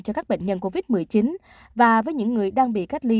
cho các bệnh nhân covid một mươi chín và với những người đang bị cách ly